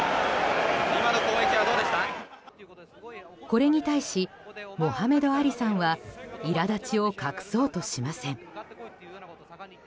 これに対しモハメド・アリさんはいらだちを隠そうとしません。